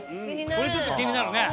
これちょっと気になるね。